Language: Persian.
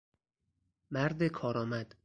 مرد کارآمد